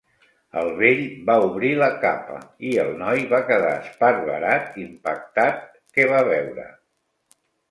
El vell va obrir la capa, i el noi va quedar esparverat impactat que va veure.